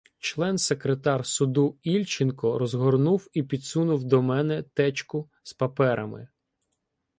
Член-секретар суду Ільченко розгорнув і підсунув до мене течку з паперами.